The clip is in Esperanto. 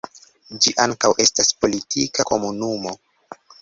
Ĝi ankaŭ estas politika komunumo.